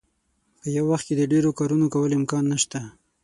په یو وخت کې د ډیرو کارونو کولو امکان نشته.